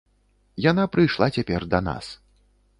Яна прыйшла цяпер да нас.